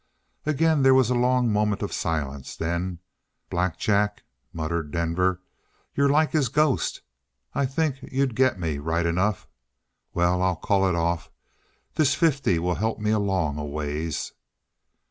Again there was a long moment of silence, then, "Black Jack!" muttered Denver. "You're like his ghost! I think you'd get me, right enough! Well, I'll call it off. This fifty will help me along a ways."